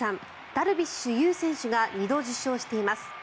ダルビッシュ有選手が２度受賞しています。